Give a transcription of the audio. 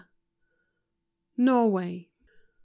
NORWAY. 7